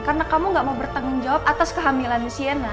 karena kamu gak mau bertanggung jawab atas kehamilan sienna